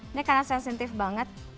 ini karena sensitif banget